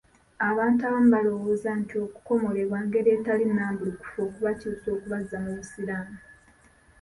Abantu abamu balowooza nti okukomolebwa ngeri etali nnambulukufu okubakyusa okubazza mu busiraamu.